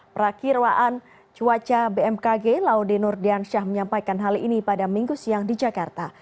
perakhir waan cuaca bmkg laude nur diansyah menyampaikan hal ini pada minggu siang di jakarta